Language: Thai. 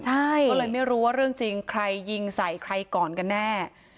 ใช่ก็เลยไม่รู้ว่าเรื่องจริงใครยิงใส่ใครก่อนกันแน่